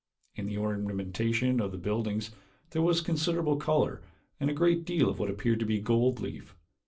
In the ornamentation of the buildings there was considerable color and a great deal of what appeared to be gold leaf.